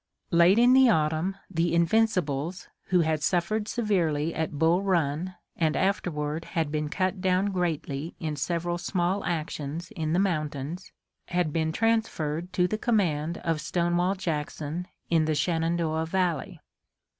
Late in the autumn the Invincibles, who had suffered severely at Bull Run and afterward had been cut down greatly in several small actions in the mountains, had been transferred to the command of Stonewall Jackson in the Shenandoah Valley.